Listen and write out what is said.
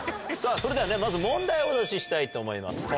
それではねまず問題をお出ししたいと思います。